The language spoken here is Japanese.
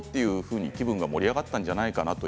と気分が盛り上がったんじゃないかなと。